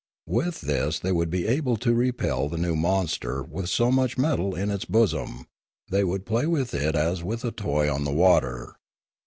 With this they would be able to repel the new monster with so much metal in its bosom; they would play with it as with a toy on the water.